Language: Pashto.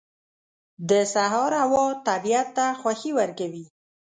• د سهار هوا طبیعت ته خوښي ورکوي.